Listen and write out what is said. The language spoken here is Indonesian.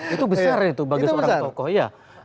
itu besar itu bagi seorang tokoh